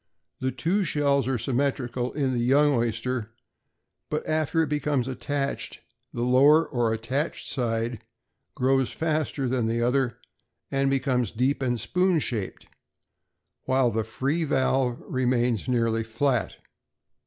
The two shells are symmetrical in the young oyster; but after it becomes attached, the lower or attached side grows faster than the other, and becomes deep and spoon shaped, while the free valve remains nearly flat.